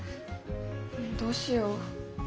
どうしよう。